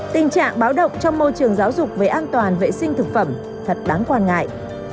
tình trạng báo động trong môi trường giáo dục về an toàn vệ sinh thực phẩm thật đáng quan ngại